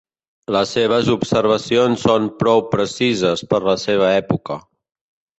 Les seves observacions són prou precises per la seva època.